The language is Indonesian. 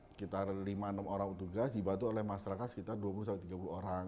sekitar lima enam orang petugas dibantu oleh masyarakat sekitar dua puluh tiga puluh orang